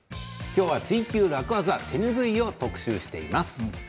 きょうは「ツイＱ楽ワザ」手ぬぐいを特集しています。